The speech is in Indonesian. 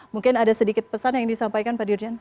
mungkin ada sedikit pesan yang disampaikan pak dirjen